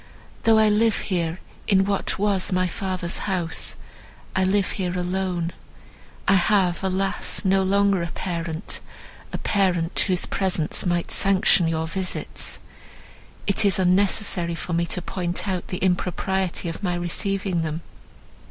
Though I live here in what was my father's house, I live here alone. I have, alas! no longer a parent—a parent, whose presence might sanction your visits. It is unnecessary for me to point out the impropriety of my receiving them."